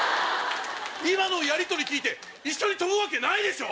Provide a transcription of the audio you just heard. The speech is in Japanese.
今のやりとり聞いて一緒に飛ぶわけないでしょ。